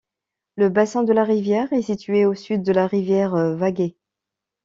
Le bassin de la rivière est situé au sud de la rivière Vagai.